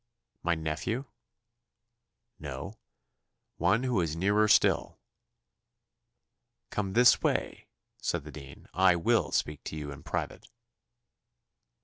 "My nephew?" "No; one who is nearer still." "Come this way," said the dean; "I will speak to you in private."